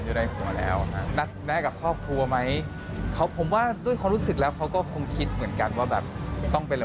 อยู่ข้างหลังพี่หมักตอบว่าจะตาตอบ